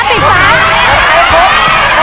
ปิ๊ปป้า